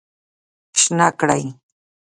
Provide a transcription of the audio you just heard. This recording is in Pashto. شنه کړی